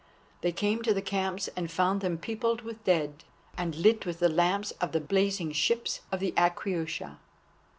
They came to the camps and found them peopled with dead, and lit with the lamps of the blazing ships of the Aquaiusha.